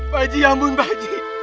pakji ya ampun pakji